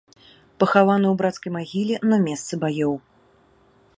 Пахаваны ў брацкай магіле на месцы баёў.